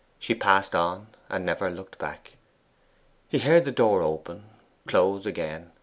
She passed on, and never looked back. He heard the door open close again.